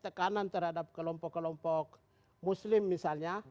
tekanan terhadap kelompok kelompok muslim misalnya